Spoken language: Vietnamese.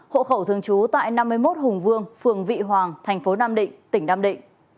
hộ khẩu thường trú tại năm mươi một hùng vương phường vị hoàng thành phố nam định tỉnh nam định